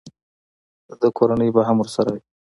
د ده کورنۍ به هم ورسره وي.